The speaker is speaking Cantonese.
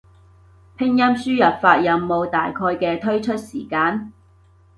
拼音輸入法有冇大概嘅推出時間？